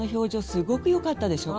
すごくよかったでしょう。